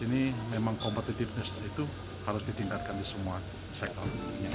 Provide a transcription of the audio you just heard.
ini memang competitiveness itu harus ditingkatkan di semua sektor